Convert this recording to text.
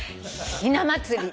「ひな祭り」で。